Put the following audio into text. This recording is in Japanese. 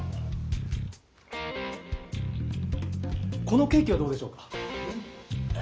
このケーキはどうでしょうか？